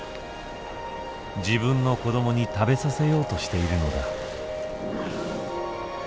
自分の子供に食べさせようとしているのだ。